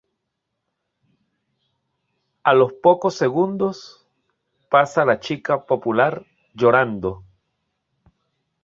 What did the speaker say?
A los pocos segundos pasa la chica popular llorando.